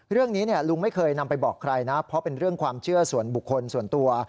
เรื่องนี้ลุงไม่เคยนำไปบอกใครนะเพราะเป็นเรื่องความเชื่อส่วนบุคคลส่วนตัว